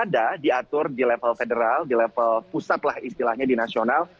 tidak ada yang mengatur di level federal di level pusatlah istilahnya di nasional